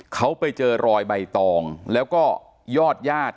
เขาไปเจอรอยใบตองแล้วก็ยอดญาติ